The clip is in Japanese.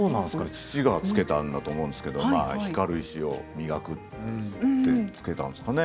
父が付けたんだと思うんですけれども光る石を磨くと付けたんですかね。